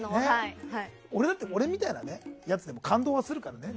俺みたいなやつでも感動はするからね。